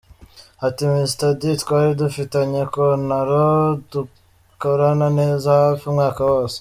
Ati “ Mr D twari dufitanye kontaro, dukorana neza hafi umwaka wose.